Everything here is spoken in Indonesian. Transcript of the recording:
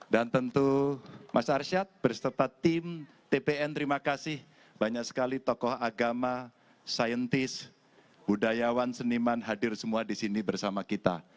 dan tentu mas arsyad berserta tim tpn terima kasih banyak sekali tokoh agama saintis budayawan seniman hadir semua disini bersama kita